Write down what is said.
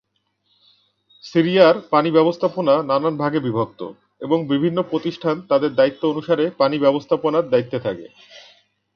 সিরিয়ায় পানি ব্যবস্থাপনা নানান ভাগে বিভক্ত এবং বিভিন্ন প্রতিষ্ঠান তাদের দায়িত্ব অনুসারে পানি ব্যবস্থাপনার দায়িত্বে থাকে।